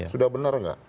sudah benar nggak